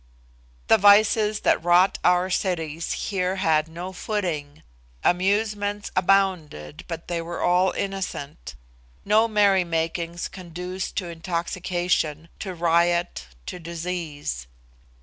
The vices that rot our cities here had no footing. Amusements abounded, but they were all innocent. No merry makings conduced to intoxication, to riot, to disease.